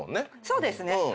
そうですね。